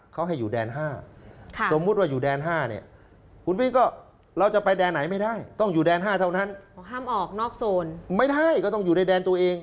ก็ต้องอยู่ในแดนตัวเอง